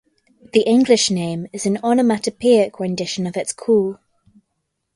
The English name is an onomatopoeic rendition of its call.